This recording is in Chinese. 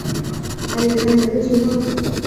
孩子开始念书后